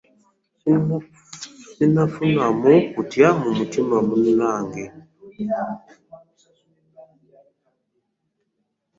Ssinnafunamu kutya mu mutima munnange.